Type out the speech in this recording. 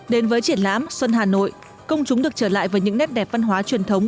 đến với triển lãm xuân hà nội công chúng được trở lại với những nét đẹp văn hóa truyền thống